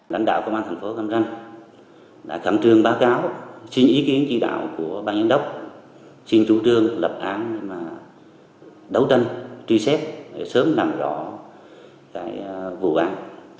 lãnh đạo công an thành phố cam ranh đã khám trương báo cáo xin ý kiến chỉ đạo của bác nhân đốc xin chủ trương lập án đấu tranh truy xét sớm làm rõ vụ án